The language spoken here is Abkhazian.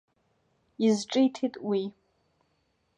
Изҿиҭит уи.